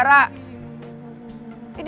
sama si bara